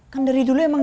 kan dari dulu emang